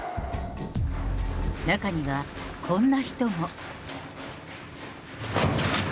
中にはこんな人も。